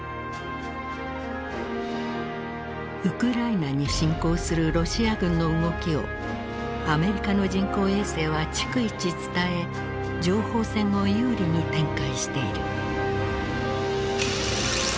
ウクライナに侵攻するロシア軍の動きをアメリカの人工衛星は逐一伝え情報戦を有利に展開している。